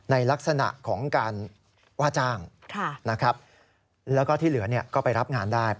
ในลักษณะของการว่าจ้างนะครับแล้วก็ที่เหลือก็ไปรับงานได้